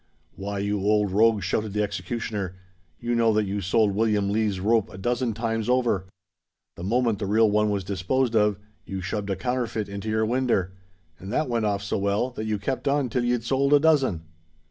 "Why, you old rogue," shouted the executioner, "you know that you sold William Lees's rope a dozen times over. The moment the real one was disposed of, you shoved a counterfeit into your winder; and that went off so well, that you kept on till you'd sold a dozen."